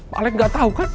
pak alex nggak tahu kan